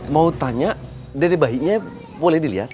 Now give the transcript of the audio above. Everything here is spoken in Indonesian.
mau tanya dari bayinya boleh dilihat